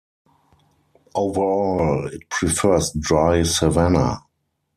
Overall it prefers dry savanna.